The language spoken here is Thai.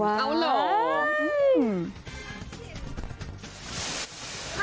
เอาเหรอ